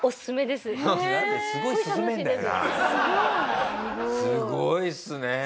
すごいですね。